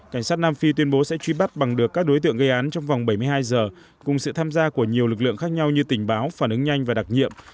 cảnh sát nam phi tuyên bố sẽ truy bắt bằng được các đối tượng gây án trong vòng bảy mươi hai giờ cùng sự tham gia của nhiều lực lượng khác nhau như tình báo phản ứng nhanh và đặc nhiệm